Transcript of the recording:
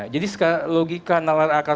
jadi logika nalar akar